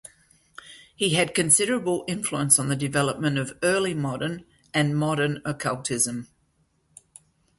He had considerable influence on the development of early modern and modern occultism.